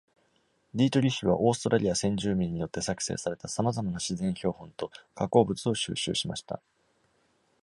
ディートリッヒは、オーストラリア先住民によって作成されたさまざまな自然標本と加工物を収集しました。